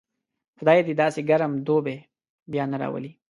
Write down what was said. خدای دې داسې ګرم دوبی بیا نه راولي.